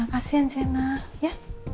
kasian sienna ya